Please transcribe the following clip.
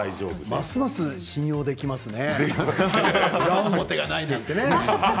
ますます信用ができますね。